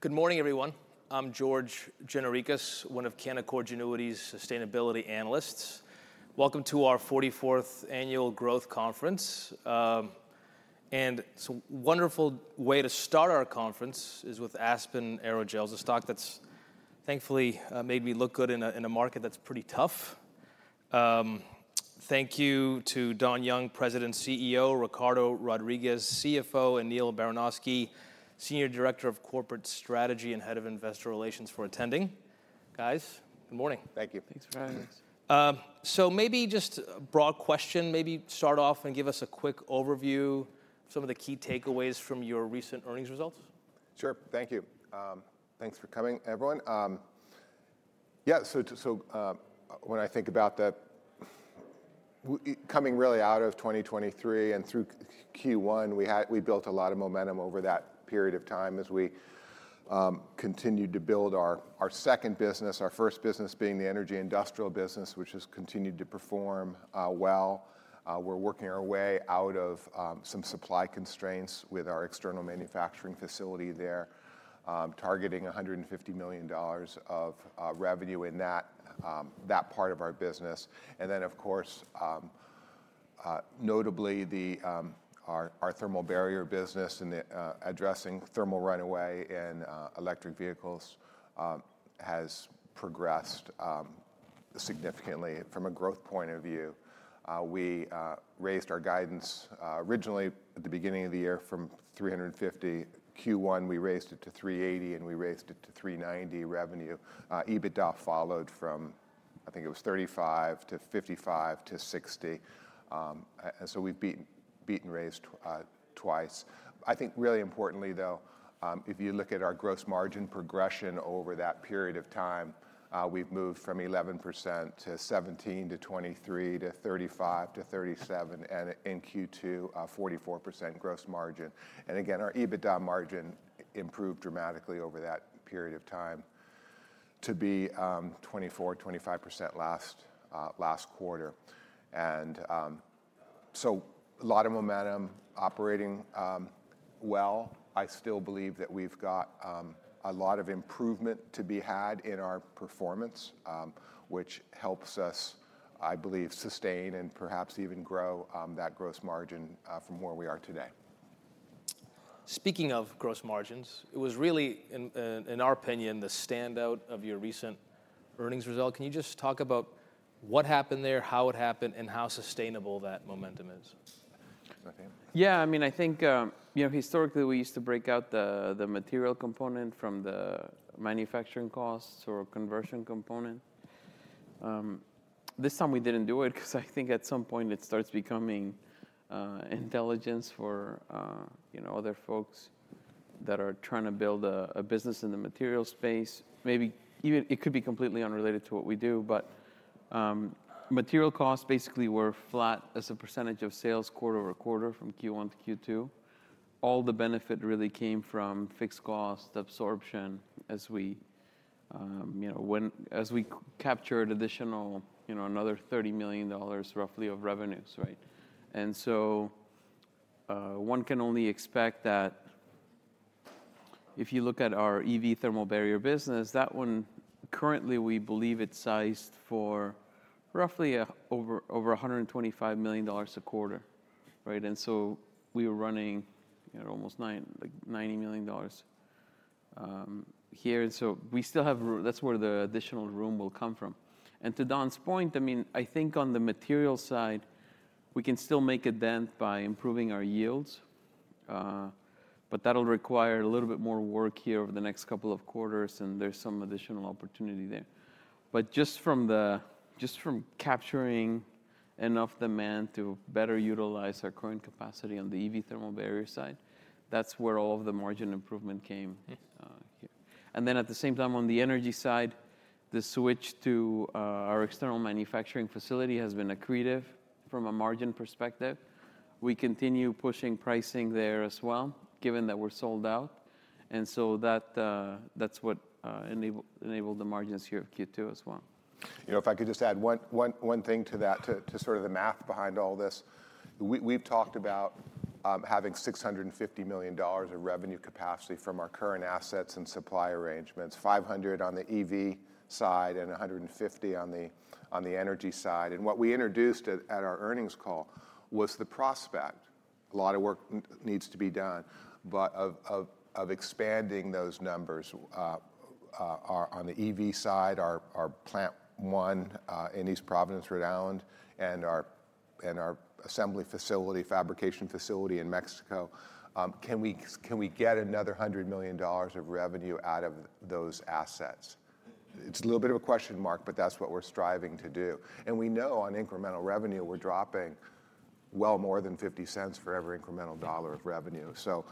Good morning, everyone. I'm George Gianarikas, one of Canaccord Genuity's sustainability analysts. Welcome to our 44th Annual Growth Conference. And it's a wonderful way to start our conference is with Aspen Aerogels, a stock that's thankfully made me look good in a, in a market that's pretty tough. Thank you to Don Young, President and CEO, Ricardo Rodriguez, CFO, and Neal Baranosky, Senior Director of Corporate Strategy and Head of Investor Relations, for attending. Guys, good morning! Thank you. Thanks for having us. So maybe just a broad question, maybe start off and give us a quick overview, some of the key takeaways from your recent earnings results? Sure. Thank you. Thanks for coming, everyone. Yeah, so when I think about the coming really out of 2023 and through Q1, we had. We built a lot of momentum over that period of time as we continued to build our second business, our first business being the energy industrial business, which has continued to perform well. We're working our way out of some supply constraints with our external manufacturing facility there, targeting $150 million of revenue in that part of our business. And then, of course, notably, our thermal barrier business and addressing thermal runaway in electric vehicles has progressed significantly from a growth point of view. We raised our guidance originally at the beginning of the year from $350. In Q1, we raised it to $380, and we raised it to $390 revenue. EBITDA followed from, I think it was $35 to $55 to $60. And so we've beaten and raised twice. I think, really importantly, though, if you look at our gross margin progression over that period of time, we've moved from 11% to 17%, to 23%, to 35%, to 37%, and in Q2, a 44% gross margin. And again, our EBITDA margin improved dramatically over that period of time to be 24%-25% last quarter. And so a lot of momentum operating well. I still believe that we've got a lot of improvement to be had in our performance, which helps us, I believe, sustain and perhaps even grow that gross margin from where we are today. Speaking of gross margins, it was really, in our opinion, the standout of your recent earnings result. Can you just talk about what happened there, how it happened, and how sustainable that momentum is? Yeah, I mean, I think, you know, historically, we used to break out the, the material component from the manufacturing costs or conversion component. This time we didn't do it, 'cause I think at some point it starts becoming, intelligence for, you know, other folks that are trying to build a, a business in the material space. Maybe even it could be completely unrelated to what we do, but, material costs basically were flat as a percentage of sales quarter-over-quarter from Q1 to Q2. All the benefit really came from fixed cost absorption as we, you know, as we captured additional, you know, another $30 million, roughly, of revenues, right? And so, one can only expect that if you look at our EV thermal barrier business, that one currently, we believe it's sized for roughly, over, over $125 million a quarter, right? And so we were running at almost like $90 million here, and so we still have that's where the additional room will come from. And to Don's point, I mean, I think on the material side, we can still make a dent by improving our yields, but that'll require a little bit more work here over the next couple of quarters, and there's some additional opportunity there. But just from just from capturing enough demand to better utilize our current capacity on the EV thermal barrier side, that's where all of the margin improvement came- Yes here. And then, at the same time, on the energy side, the switch to our external manufacturing facility has been accretive from a margin perspective. We continue pushing pricing there as well, given that we're sold out. And so that, that's what enable, enabled the margins here at Q2 as well. You know, if I could just add one thing to that, to sort of the math behind all this. We've talked about having $650 million of revenue capacity from our current assets and supply arrangements, $500 million on the EV side and $150 million on the energy side. And what we introduced at our earnings call was the prospect, a lot of work needs to be done, but of expanding those numbers, on the EV side, our Plant One in East Providence, Rhode Island, and our assembly facility, fabrication facility in Mexico. Can we get another $100 million of revenue out of those assets? It's a little bit of a question mark, but that's what we're striving to do. We know on incremental revenue, we're dropping well more than $0.50 for every incremental dollar of revenue, so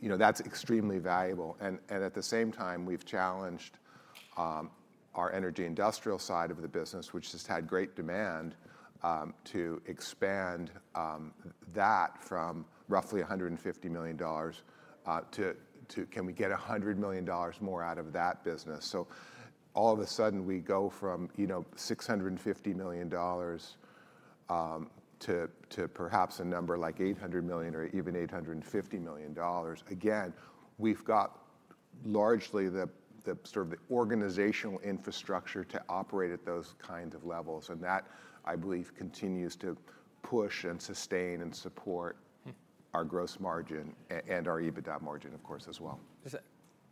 you know, that's extremely valuable. And at the same time, we've challenged our energy industrial side of the business, which has had great demand, to expand that from roughly $150 million to. Can we get $100 million more out of that business? So all of a sudden, we go from, you know, $650 million to perhaps a number like $800 million or even $850 million, again, we've got largely the sort of the organizational infrastructure to operate at those kinds of levels, and that, I believe, continues to push and sustain and support- Hmm. - our gross margin and our EBITDA margin, of course, as well.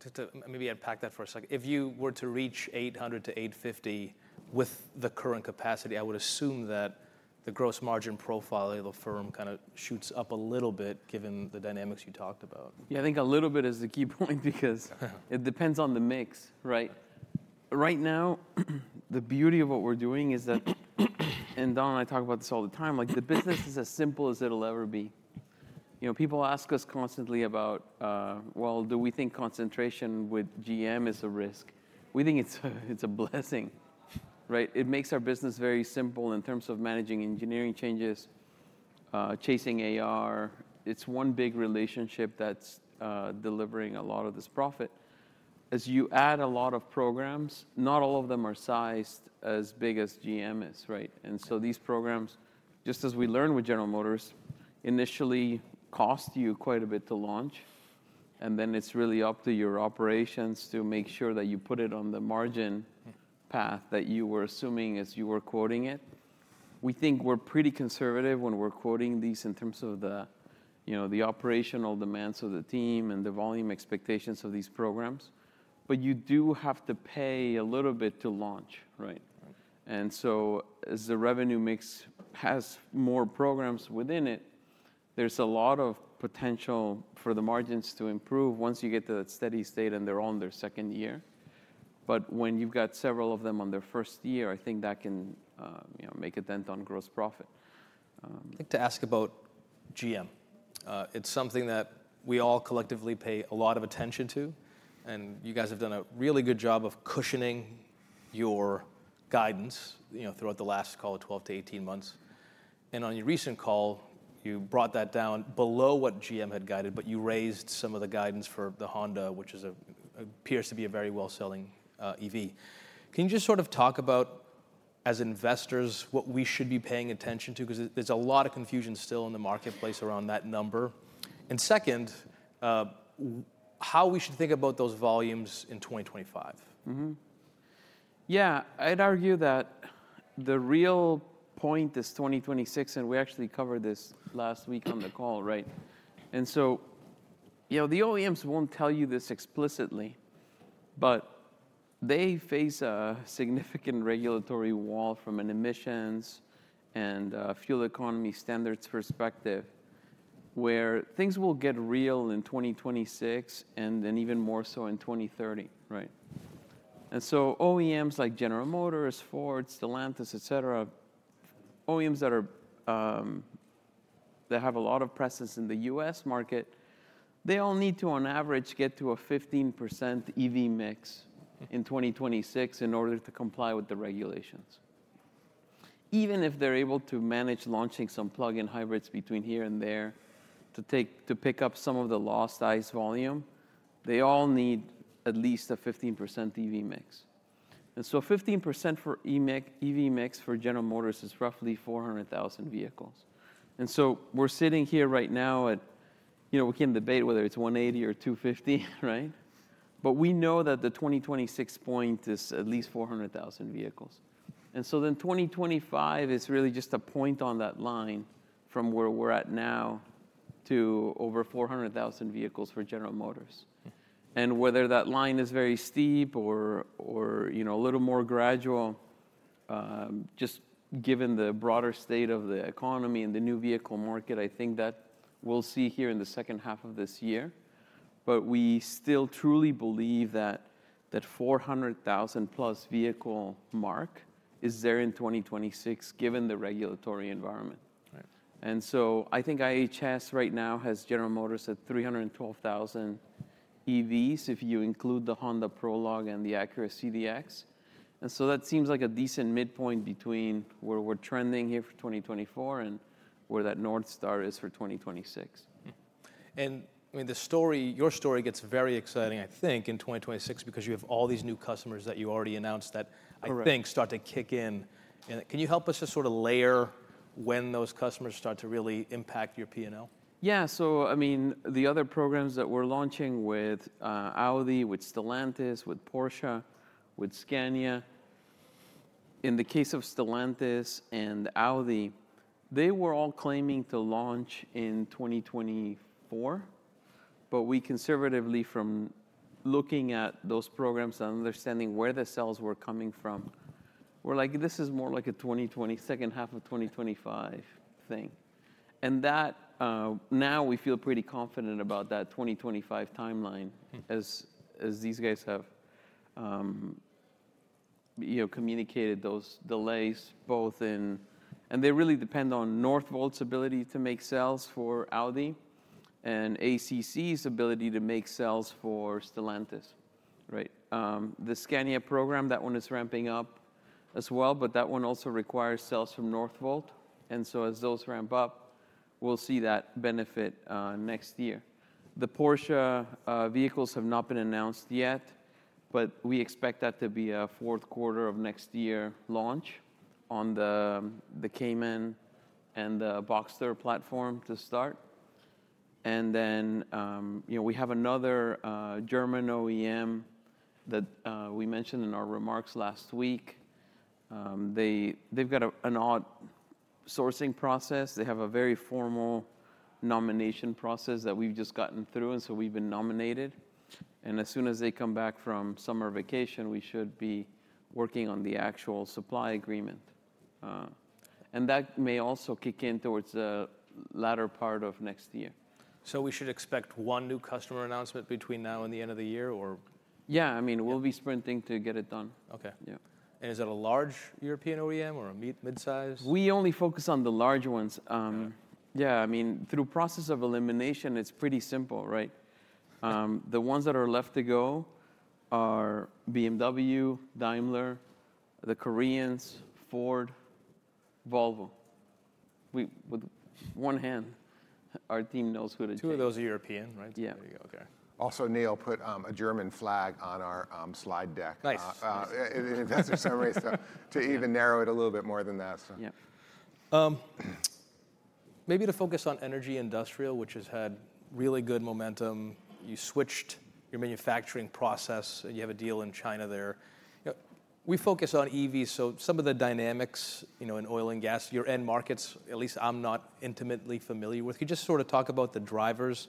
To maybe unpack that for a second, if you were to reach 800-850 with the current capacity, I would assume that the gross margin profile of the firm kind of shoots up a little bit, given the dynamics you talked about. Yeah, I think a little bit is the key point because it depends on the mix, right? Right now, the beauty of what we're doing is that, and Don and I talk about this all the time, like the business is as simple as it'll ever be. You know, people ask us constantly about, well, do we think concentration with GM is a risk? We think it's a blessing. Right, it makes our business very simple in terms of managing engineering changes, chasing AR. It's one big relationship that's delivering a lot of this profit. As you add a lot of programs, not all of them are sized as big as GM is, right? These programs, just as we learned with General Motors, initially cost you quite a bit to launch, and then it's really up to your operations to make sure that you put it on the margin- Hmm path that you were assuming as you were quoting it. We think we're pretty conservative when we're quoting these in terms of the, you know, the operational demands of the team and the volume expectations of these programs. But you do have to pay a little bit to launch, right? Right. And so as the revenue mix has more programs within it, there's a lot of potential for the margins to improve once you get to that steady state and they're on their second year. But when you've got several of them on their first year, I think that can, you know, make a dent on gross profit. I'd like to ask about GM. It's something that we all collectively pay a lot of attention to, and you guys have done a really good job of cushioning your guidance, you know, throughout the last, call it, 12-18 months. And on your recent call, you brought that down below what GM had guided, but you raised some of the guidance for the Honda, which appears to be a very well-selling EV. Can you just sort of talk about, as investors, what we should be paying attention to? Because there's a lot of confusion still in the marketplace around that number. And second, how we should think about those volumes in 2025. Mm-hmm. Yeah, I'd argue that the real point is 2026, and we actually covered this last week on the call, right? And so, you know, the OEMs won't tell you this explicitly, but they face a significant regulatory wall from an emissions and a fuel economy standards perspective, where things will get real in 2026, and then even more so in 2030, right? And so OEMs like General Motors, Ford, Stellantis, et cetera, OEMs that are that have a lot of presence in the U.S. market, they all need to, on average, get to a 15% EV mix in 2026 in order to comply with the regulations. Even if they're able to manage launching some plug-in hybrids between here and there, to pick up some of the lost ICE volume, they all need at least a 15% EV mix. 15% EV mix for General Motors is roughly 400,000 vehicles. We're sitting here right now at... You know, we can debate whether it's 180 or 250, right? But we know that the 2026 point is at least 400,000 vehicles. Then 2025 is really just a point on that line from where we're at now to over 400,000 vehicles for General Motors. Hmm. Whether that line is very steep or, you know, a little more gradual, just given the broader state of the economy and the new vehicle market, I think that we'll see here in the second half of this year. But we still truly believe that 400,000+ vehicle mark is there in 2026, given the regulatory environment. Right. I think IHS right now has General Motors at 312,000 EVs, if you include the Honda Prologue and the Acura ZDX. That seems like a decent midpoint between where we're trending here for 2024, and where that North Star is for 2026. Hmm. I mean, the story, your story gets very exciting, I think, in 2026, because you have all these new customers that you already announced that- Correct I think start to kick in. Can you help us just sort of layer when those customers start to really impact your P&L? Yeah, so I mean, the other programs that we're launching with Audi, with Stellantis, with Porsche, with Scania. In the case of Stellantis and Audi, they were all claiming to launch in 2024. But we conservatively, from looking at those programs and understanding where the cells were coming from, we're like: This is more like a 2025-second half of 2025 thing. And that, now we feel pretty confident about that 2025 timeline- Hmm as these guys have, you know, communicated those delays, both in. And they really depend on Northvolt's ability to make cells for Audi and ACC's ability to make cells for Stellantis, right? The Scania program, that one is ramping up as well, but that one also requires cells from Northvolt, and so as those ramp up, we'll see that benefit next year. The Porsche vehicles have not been announced yet. but we expect that to be a fourth quarter of next year launch on the Cayman and the Boxster platform to start. And then, you know, we have another German OEM that we mentioned in our remarks last week. They, they've got an odd sourcing process. They have a very formal nomination process that we've just gotten through, and so we've been nominated, and as soon as they come back from summer vacation, we should be working on the actual supply agreement. And that may also kick in towards the latter part of next year. We should expect one new customer announcement between now and the end of the year, or? Yeah, I mean, we'll be sprinting to get it done. Okay. Yeah. Is it a large European OEM or a midsize? We only focus on the large ones. Yeah. Yeah, I mean, through process of elimination, it's pretty simple, right? The ones that are left to go are BMW, Daimler, the Koreans, Ford, Volvo. With one hand, our team knows who to choose. Two of those are European, right? Yeah. There you go. Okay. Also, Neal put a German flag on our slide deck- Nice in investor summary, so to even narrow it a little bit more than that, so. Yeah. Maybe to focus on energy industrial, which has had really good momentum. You switched your manufacturing process, and you have a deal in China there. You know, we focus on EVs, so some of the dynamics, you know, in oil and gas, your end markets, at least I'm not intimately familiar with. Can you just sort of talk about the drivers,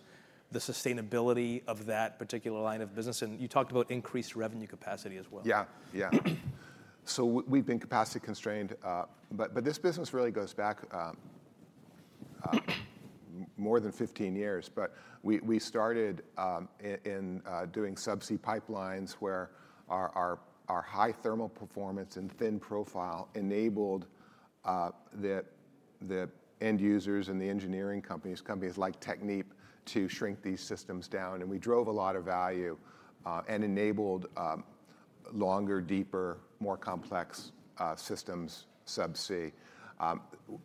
the sustainability of that particular line of business? And you talked about increased revenue capacity as well. Yeah, yeah. So we've been capacity constrained, but this business really goes back more than 15 years. But we started in doing subsea pipelines, where our high thermal performance and thin profile enabled the end users and the engineering companies, companies like Technip, to shrink these systems down, and we drove a lot of value and enabled longer, deeper, more complex systems, subsea.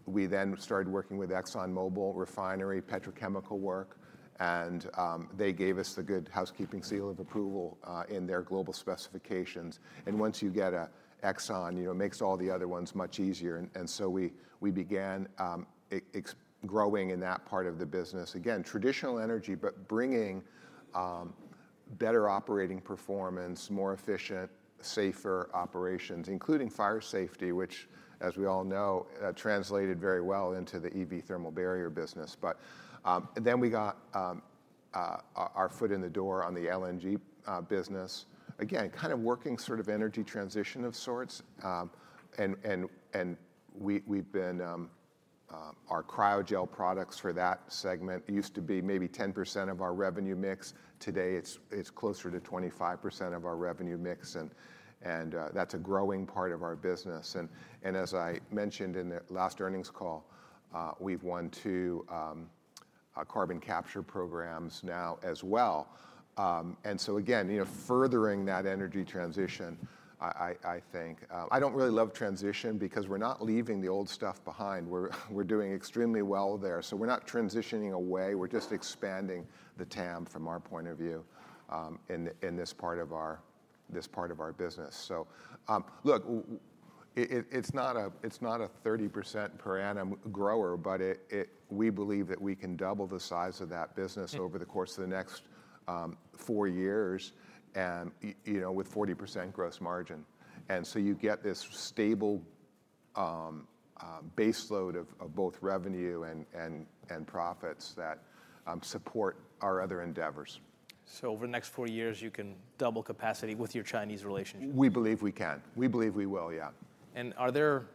We then started working with ExxonMobil refinery, petrochemical work, and they gave us the good housekeeping seal of approval in their global specifications. And once you get an ExxonMobil, you know, it makes all the other ones much easier. And so we began growing in that part of the business. Again, traditional energy, but bringing better operating performance, more efficient, safer operations, including fire safety, which, as we all know, translated very well into the EV thermal barrier business. But then we got our foot in the door on the LNG business. Again, kind of working sort of energy transition of sorts. And we've been our Cryogel products for that segment used to be maybe 10% of our revenue mix. Today, it's closer to 25% of our revenue mix, and that's a growing part of our business. And as I mentioned in the last earnings call, we've won two carbon capture programs now as well. And so again, you know, furthering that energy transition, I think I don't really love transition, because we're not leaving the old stuff behind, we're doing extremely well there. So we're not transitioning away, we're just expanding the TAM from our point of view, in this part of our business. So, look, it’s not a 30% per annum grower, but we believe that we can double the size of that business- Mm over the course of the next four years, and you know, with 40% gross margin. And so you get this stable baseload of both revenue and profits that support our other endeavors. Over the next four years, you can double capacity with your Chinese relationship? We believe we can. We believe we will, yeah. Are there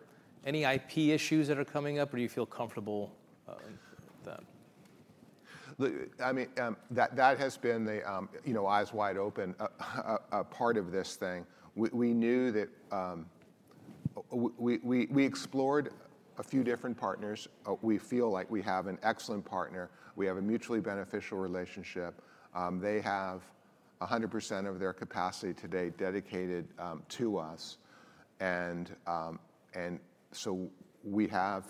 any IP issues that are coming up, or do you feel comfortable with them? Look, I mean, that has been the, you know, eyes wide open, a part of this thing. We knew that, we explored a few different partners. We feel like we have an excellent partner. We have a mutually beneficial relationship. They have 100% of their capacity today dedicated to us. And so we have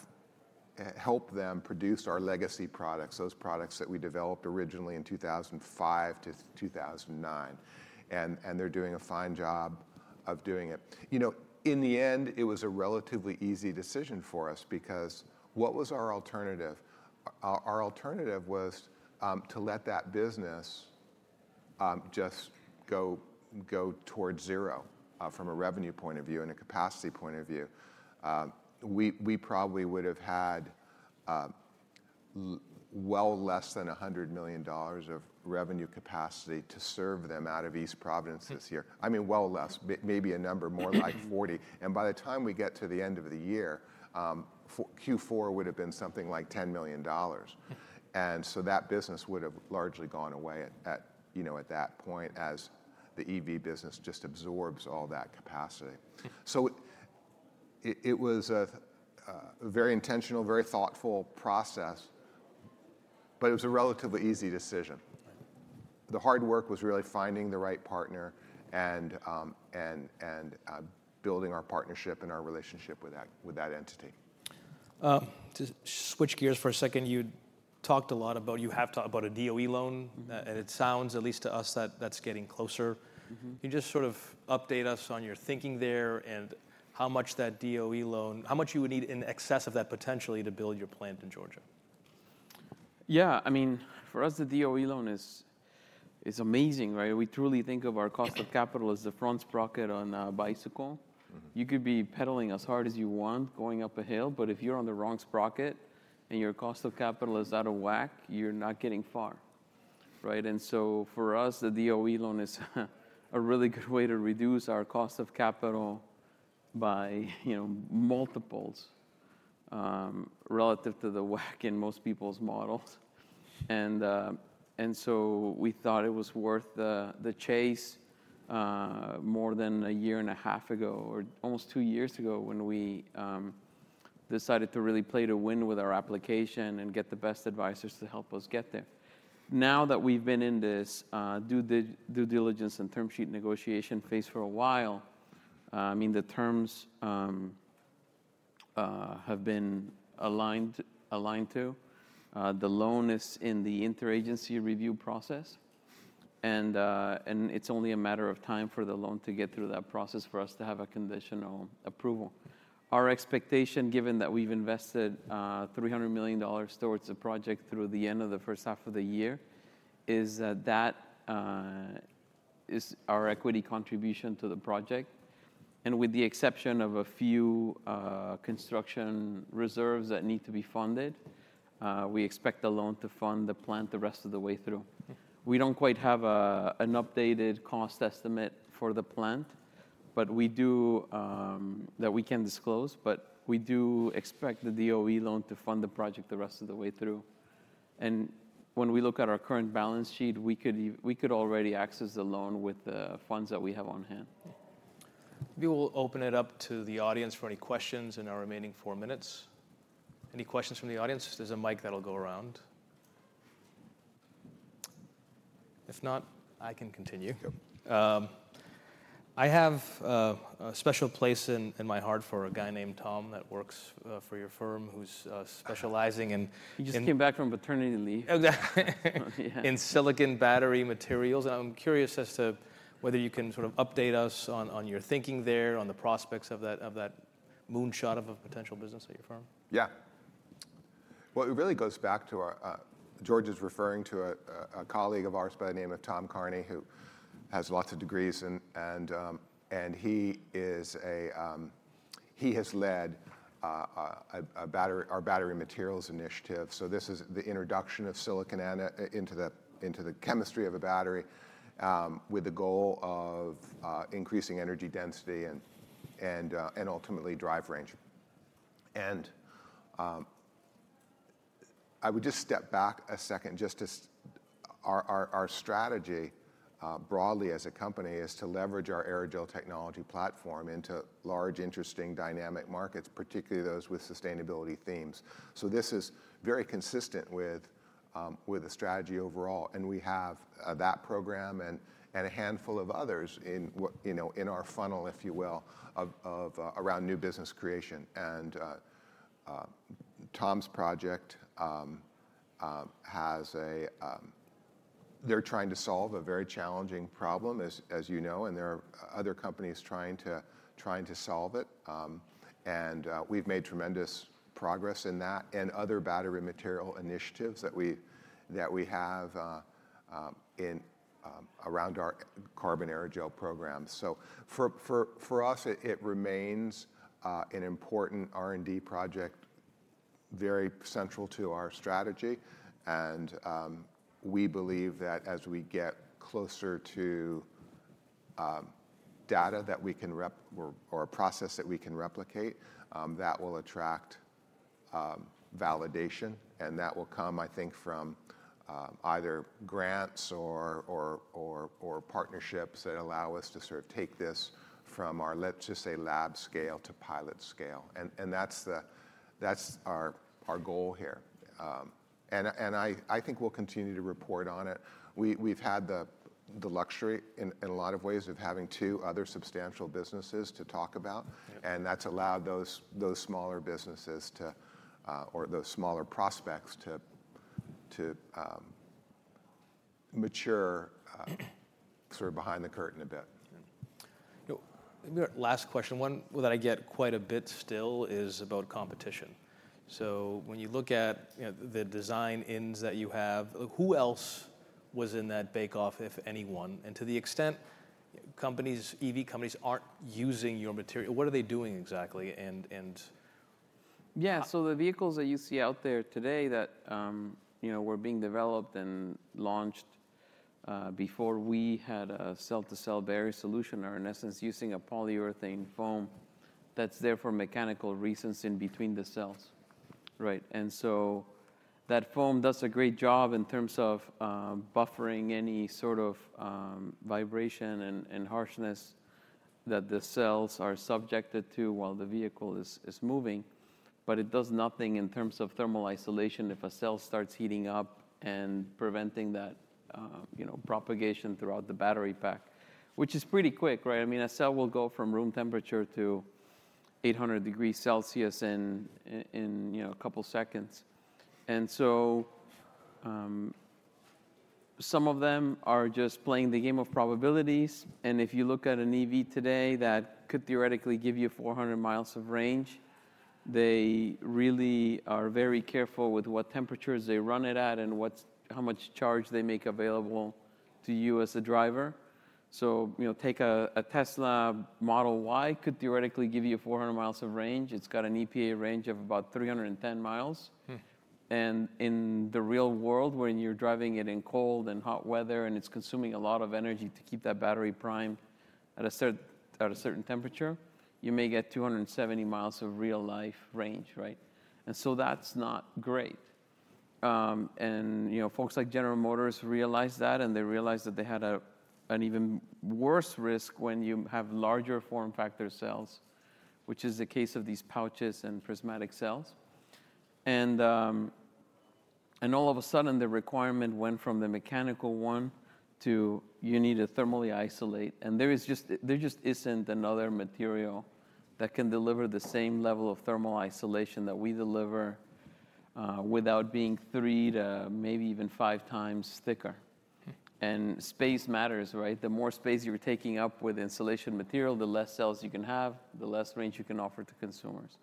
helped them produce our legacy products, those products that we developed originally in 2005 to 2009, and they're doing a fine job of doing it. You know, in the end, it was a relatively easy decision for us, because what was our alternative? Our alternative was to let that business just go towards zero, from a revenue point of view and a capacity point of view. We probably would've had well less than $100 million of revenue capacity to serve them out of East Providence this year. Mm. I mean, well less, maybe a number more like 40. And by the time we get to the end of the year, for Q4 would've been something like $10 million. Mm. And so that business would've largely gone away at, you know, at that point, as the EV business just absorbs all that capacity. Mm. So it was a very intentional, very thoughtful process, but it was a relatively easy decision. The hard work was really finding the right partner and building our partnership and our relationship with that entity. to switch gears for a second, you talked a lot about, you have talked about a DOE loan. And it sounds, at least to us, that that's getting closer. Mm-hmm. Can you just sort of update us on your thinking there, and how much that DOE loan. How much you would need in excess of that potentially to build your plant in Georgia? Yeah, I mean, for us, the DOE loan is amazing, right? We truly think of our cost of capital as the front sprocket on a bicycle. Mm-hmm. You could be pedaling as hard as you want, going up a hill, but if you're on the wrong sprocket, and your cost of capital is out of whack, you're not getting far, right? And so for us, the DOE loan is a really good way to reduce our cost of capital by, you know, multiples, relative to the WACC in most people's models. And so we thought it was worth the chase more than a year and a half ago, or almost two years ago, when we decided to really play to win with our application and get the best advisors to help us get there. Now that we've been in this due diligence and term sheet negotiation phase for a while, I mean, the terms have been aligned to. The loan is in the interagency review process, and, and it's only a matter of time for the loan to get through that process for us to have a conditional approval. Our expectation, given that we've invested $300 million towards the project through the end of the first half of the year, is that, that, is our equity contribution to the project. And with the exception of a few, construction reserves that need to be funded, we expect the loan to fund the plant the rest of the way through. Okay. We don't quite have an updated cost estimate for the plant, but we do. That we can disclose, but we do expect the DOE loan to fund the project the rest of the way through. When we look at our current balance sheet, we could already access the loan with the funds that we have on hand. We will open it up to the audience for any questions in our remaining four minutes. Any questions from the audience? There's a mic that'll go around. If not, I can continue. Yep. I have a special place in my heart for a guy named Tom that works for your firm who's specializing in... He just came back from paternity leave. Exactly. Yeah. In silicon battery materials. I'm curious as to whether you can sort of update us on, on your thinking there, on the prospects of that, of that moonshot of a potential business at your firm? Yeah. Well, it really goes back to our. George is referring to a colleague of ours by the name of Tom Carney, who has lots of degrees, and he is a. He has led a battery materials initiative. So this is the introduction of silicon into the chemistry of a battery, with the goal of increasing energy density, and ultimately drive range. I would just step back a second. Our strategy, broadly as a company, is to leverage our aerogel technology platform into large, interesting, dynamic markets, particularly those with sustainability themes. So this is very consistent with the strategy overall, and we have that program and a handful of others in what, you know, in our funnel, if you will, of around new business creation. And Tom's project has a, they're trying to solve a very challenging problem, as you know, and there are other companies trying to solve it. And we've made tremendous progress in that, and other battery material initiatives that we have in around our carbon aerogel program. So for us, it remains an important R&D project, very central to our strategy. And we believe that as we get closer to data that we can rep- or a process that we can replicate, that will attract validation. That will come, I think, from either grants or partnerships that allow us to sort of take this from our, let's just say, lab scale to pilot scale. That's our goal here. I think we'll continue to report on it. We've had the luxury, in a lot of ways, of having two other substantial businesses to talk about- Yep and that's allowed those smaller businesses to or those smaller prospects to mature sort of behind the curtain a bit. You know, last question. One that I get quite a bit still is about competition. So when you look at, you know, the design-ins that you have, who else was in that bake-off, if anyone? And to the extent companies, EV companies, aren't using your material, what are they doing exactly, and, and- Yeah. So the vehicles that you see out there today that, you know, were being developed and launched before we had a cell-to-cell barrier solution are in essence using a polyurethane foam that's there for mechanical reasons in between the cells. Right, and so that foam does a great job in terms of buffering any sort of vibration and harshness that the cells are subjected to while the vehicle is moving, but it does nothing in terms of thermal isolation if a cell starts heating up and preventing that, you know, propagation throughout the battery pack, which is pretty quick, right? I mean, a cell will go from room temperature to 800 degrees Celsius in, you know, a couple seconds. And so Some of them are just playing the game of probabilities, and if you look at an EV today that could theoretically give you 400 miles of range, they really are very careful with what temperatures they run it at and what's- how much charge they make available to you as a driver. So, you know, take a Tesla Model Y could theoretically give you 400 miles of range. It's got an EPA range of about 310 mi. Hmm. In the real world, when you're driving it in cold and hot weather, and it's consuming a lot of energy to keep that battery primed at a certain temperature, you may get 270 mi of real-life range, right? And so that's not great. And, you know, folks like General Motors realize that, and they realize that they had a, an even worse risk when you have larger form factor cells, which is the case of these pouch cells and prismatic cells. And all of a sudden, the requirement went from the mechanical one to, you need to thermally isolate. And there just isn't another material that can deliver the same level of thermal isolation that we deliver, without being three to maybe even 5x thicker. Hmm. And space matters, right? The more space you're taking up with insulation material, the less cells you can have, the less range you can offer to consumers.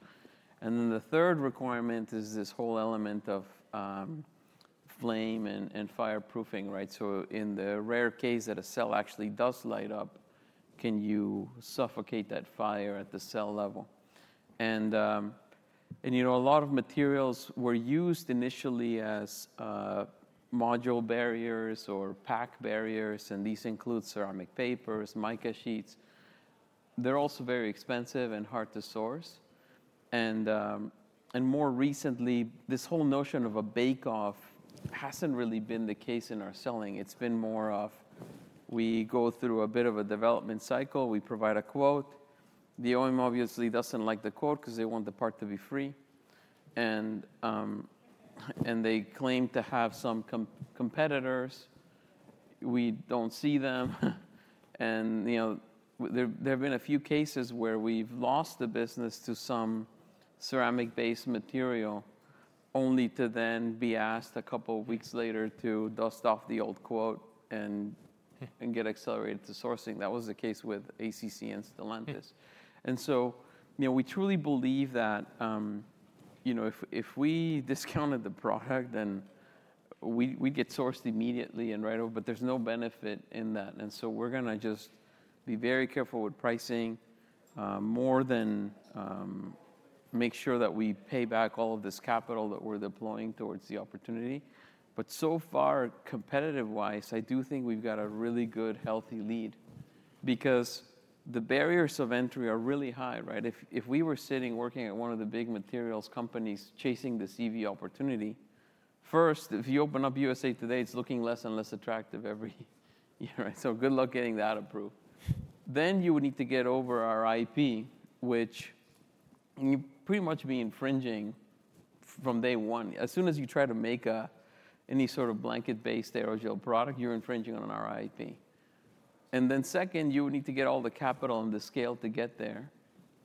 And then the third requirement is this whole element of flame and fireproofing, right? So in the rare case that a cell actually does light up, can you suffocate that fire at the cell level? And you know, a lot of materials were used initially as module barriers or pack barriers, and these include ceramic papers, mica sheets. They're also very expensive and hard to source. And more recently, this whole notion of a bake-off hasn't really been the case in our selling. It's been more of we go through a bit of a development cycle, we provide a quote. The OEM obviously doesn't like the quote 'cause they want the part to be free, and they claim to have some competitors. We don't see them. And, you know, there have been a few cases where we've lost the business to some ceramic-based material, only to then be asked a couple of weeks later to dust off the old quote and- Hmm and get accelerated to sourcing. That was the case with ACC and Stellantis. Hmm. And so, you know, we truly believe that, you know, if we discounted the product, then we, we'd get sourced immediately and right away, but there's no benefit in that. And so we're gonna just be very careful with pricing, more than make sure that we pay back all of this capital that we're deploying towards the opportunity. But so far, competitive-wise, I do think we've got a really good, healthy lead, because the barriers of entry are really high, right? If we were sitting, working at one of the big materials companies chasing this EV opportunity, first, if you open up USA Today, it's looking less and less attractive every year, right? So good luck getting that approved. Then, you would need to get over our IP, which and you'd pretty much be infringing from day one. As soon as you try to make a, any sort of blanket-based aerogel product, you're infringing on our IP. And then second, you would need to get all the capital and the scale to get there.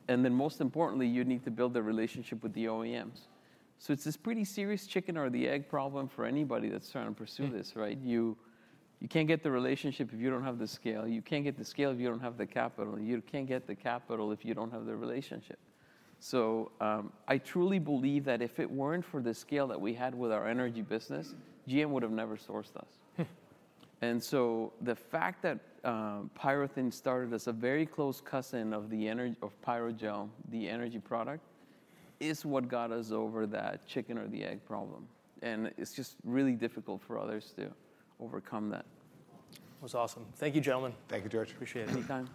And then, most importantly, you'd need to build a relationship with the OEMs. So it's this pretty serious chicken or the egg problem for anybody that's trying to pursue this, right? Hmm. You can't get the relationship if you don't have the scale. You can't get the scale if you don't have the capital. You can't get the capital if you don't have the relationship. So, I truly believe that if it weren't for the scale that we had with our energy business, GM would have never sourced us. Hmm. The fact that PyroThin started as a very close cousin of Pyrogel, the energy product, is what got us over that chicken or the egg problem. It's just really difficult for others to overcome that. That was awesome. Thank you, gentlemen. Thank you, George. Appreciate it. Anytime.